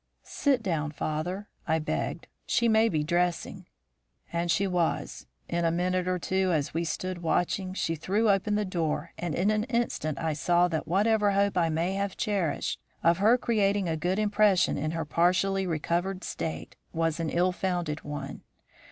'Sit down, father,' I begged. 'She may be dressing.' "And she was. In a minute or two, as we stood watching, she threw open the door, and in an instant I saw that whatever hope I may have cherished of her creating a good impression in her partially recovered state, was an ill founded one.